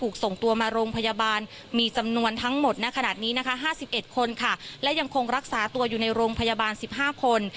ขนาดนี้นะคะห้าสิบเอ็ดคนค่ะและยังคงรักษาตัวอยู่ในโรงพยาบาลสิบห้าคน